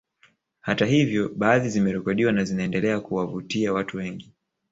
Hata hivyo baadhi zimerekodiwa na zinaendelea kuwavutia watu wengi